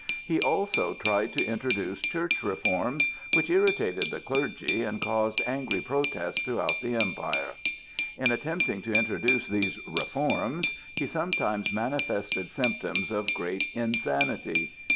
He also tried to introduce church reforms, which irritated the clergy and caused angry protests throughout the Empire. In attempting to introduce these "reforms" he sometimes manifested symptoms of real insanity.